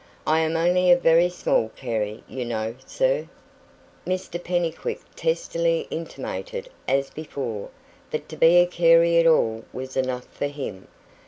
I am only a very small Carey, you know, sir." Mr Pennycuick testily intimated, as before, that to be a Carey at all was enough for him.